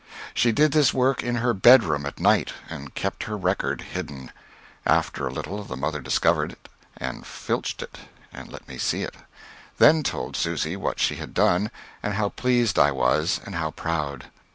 She did this work in her bedroom at night, and kept her record hidden. After a little, the mother discovered it and filched it, and let me see it; then told Susy what she had done, and how pleased I was, and how proud.